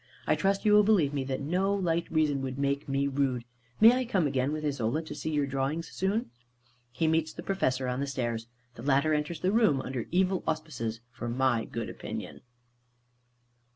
I trust you will believe me, that no light reason would make me rude. May I come again with Isola, to see your drawings soon?" He meets the Professor on the stairs. The latter enters the room, under evil auspices for my good opinion.